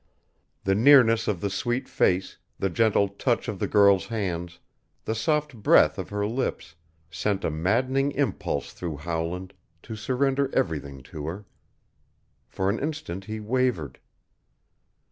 The nearness of the sweet face, the gentle touch of the girl's hands, the soft breath of her lips, sent a maddening impulse through Howland to surrender everything to her. For an instant he wavered.